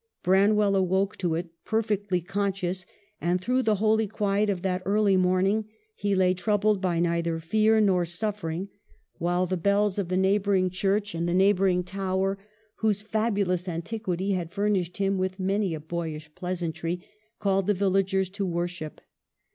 Branwell awoke to it perfectly conscious, and through the holy quiet of that early morning he lay, troubled by neither fear nor suffering, while the bells of 296 EMILY BRONTE. the neighboring church, the neighboring tower whose fabulous antiquity had furnished him with many a boyish pleasantry, called the villagers to worship.